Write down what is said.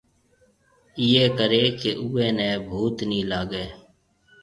ايئيَ ڪرَي ڪہ اوئيَ ني ڀُوت نِي لاگيَ